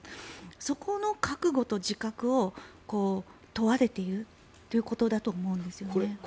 そこの覚悟と自覚を問われているということだと思うんです。